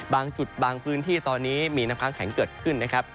บางจุดบางพื้นที่ตอนนี้มีน้ำค้างแข็งเกิดขึ้นนะครับ